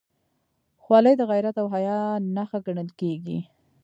خولۍ د غیرت او حیا نښه ګڼل کېږي.